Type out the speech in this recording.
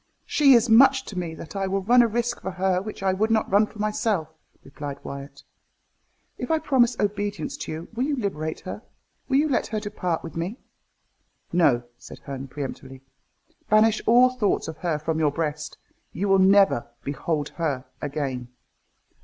"She is so much to me that I will run a risk for her which I would not run for myself," replied Wyat. "If I promise obedience to you, will you liberate her? will you let her depart with me?" "No," said Herne peremptorily. "Banish all thoughts of her from your breast. You will never behold her again.